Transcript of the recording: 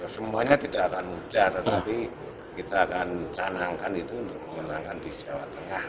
semuanya tidak akan mudah tapi kita akan mencanangkan itu untuk menenangkan di jawa tengah